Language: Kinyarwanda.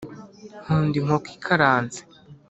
nkunda inkoko ikaranze